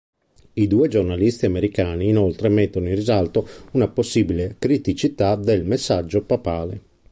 I due giornalisti americani inoltre mettono in risalto una possibile criticità del messaggio papale.